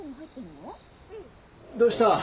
どうした？